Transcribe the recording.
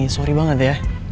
sorry banget ya